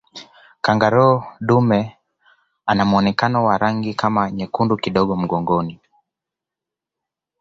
kangaroo dume anamuonekano wa rangi kama nyekundu kidogo mgongoni